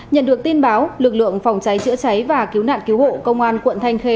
nhận được tin báo lực lượng phòng cháy chữa cháy và cứu nạn cứu hộ công an quận thanh khê